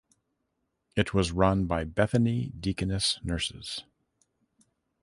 It was run by Bethany Deaconess nurses.